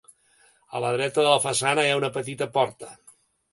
A la dreta de la façana hi ha una petita porta.